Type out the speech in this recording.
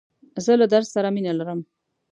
زه له درس سره مینه لرم.